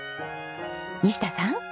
西田さん。